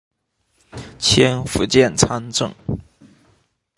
迁福建参政。